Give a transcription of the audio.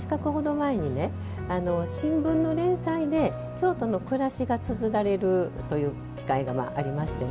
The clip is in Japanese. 前に新聞の連載で京都の暮らしがつづられる機会がありましてね。